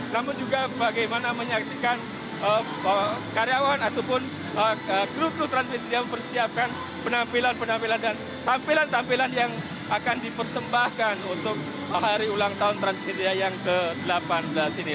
namun juga bagaimana menyaksikan karyawan ataupun kru kru transmedia mempersiapkan penampilan penampilan dan tampilan tampilan yang akan dipersembahkan untuk hari ulang tahun transmedia yang ke delapan belas ini